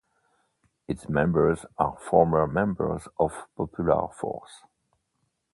Its members are former members of Popular Force.